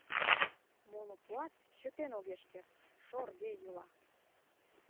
Моло пуат чытен огеш керт, шорге йӱла.